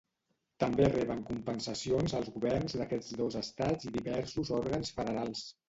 També reben compensacions als governs d'aquests dos estats i diversos òrgans federals.